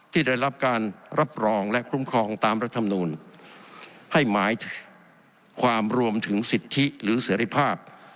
ที่ได้รับการรับรองและคุ้มครองตามรัฐมนูลให้หมายความรวมถึงสิทธิหรือเสรีภาพ